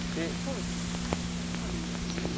まあ同銀ですよね。